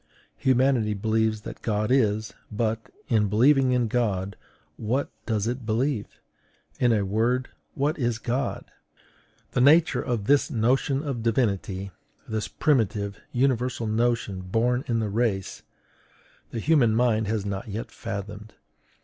Humanity believes that God is; but, in believing in God, what does it believe? In a word, what is God? The nature of this notion of Divinity, this primitive, universal notion, born in the race, the human mind has not yet fathomed.